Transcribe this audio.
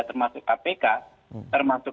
termasuk kpk termasuk